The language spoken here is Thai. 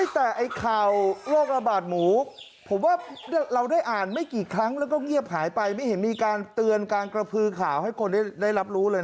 แต่ไอ้ข่าวโรคระบาดหมูผมว่าเราได้อ่านไม่กี่ครั้งแล้วก็เงียบหายไปไม่เห็นมีการเตือนการกระพือข่าวให้คนได้รับรู้เลย